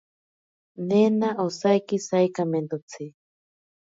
Nena osaiki saikamentotsi.